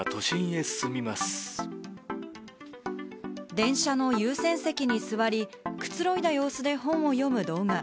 電車と優先席に座り、くつろいだ様子で本を読む動画。